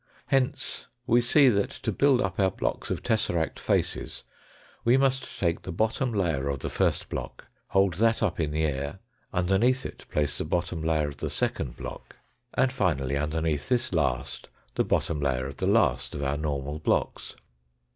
Hence we see that to build up our blocks of tesseract faces we must take the bottom layer of the first block, hold that up in the air, underneath it place the bottom layer of the second block) 246 THE FOURTH DIMENSION and finally underneath this last the bottom layer of the last of our normal blocks.